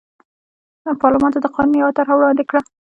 پارلمان ته د قانون یوه طرحه وړاندې کړه.